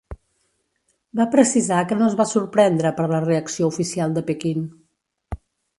Va precisar que no es va sorprendre per la reacció oficial de Pequín.